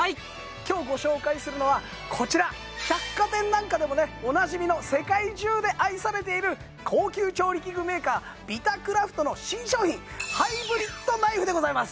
今日ご紹介するのはこちら百貨店なんかでもねおなじみの世界中で愛されている高級調理器具メーカービタクラフトの新商品ハイブリッドナイフでございます